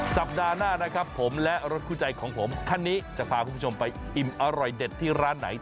สัปดาห์หน้านะครับผมและรถคู่ใจของผมคันนี้จะพาคุณผู้ชมไปอิ่มอร่อยเด็ดที่ร้านไหน